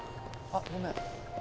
あごめん。